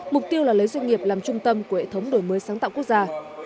mục tiêu là lấy doanh nghiệp làm trung tâm của hệ thống đổi mới sáng tạo quốc gia